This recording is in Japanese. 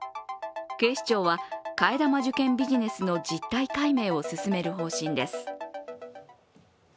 警視庁は替え玉受検ビジネスの実態解明を進める方針です。